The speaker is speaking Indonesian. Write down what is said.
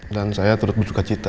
dan saya tetap bersuka cita